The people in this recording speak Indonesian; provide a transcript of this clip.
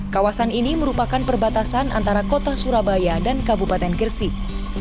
kawasan ini merupakan perbatasan antara kota surabaya dan kabupaten gresik